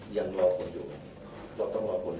ยังรอผลอยู่เราต้องรอผล